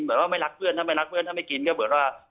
ว่าไม่รักเพื่อนถ้าไม่รักเพื่อนถ้าไม่กินก็เหมือนว่า